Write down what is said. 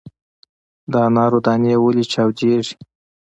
د انارو دانې ولې چاودیږي؟